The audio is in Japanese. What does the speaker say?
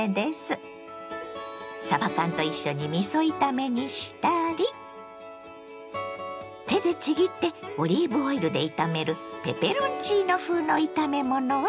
さば缶と一緒にみそ炒めにしたり手でちぎってオリーブオイルで炒めるペペロンチーノ風の炒め物はいかが？